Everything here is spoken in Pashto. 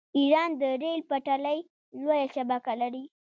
ایران د ریل پټلۍ لویه شبکه لري.